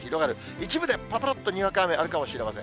一部でぱらぱらっとにわか雨あるかもしれません。